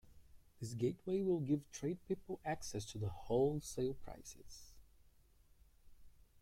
This gateway will give trade people access to wholesale prices.